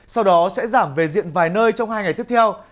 sau đó sẽ giảm về diện vài nơi trong hai ngày tiếp theo